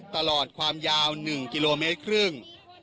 ตลอดความยาว๑กิโลเมตรครึ่ง